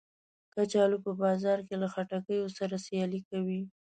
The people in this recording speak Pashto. کچالو په بازار کې له خټکیو سره سیالي کوي